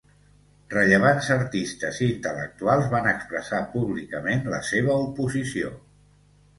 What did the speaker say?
Rellevants artistes i intel·lectuals van expressar públicament la seva oposició.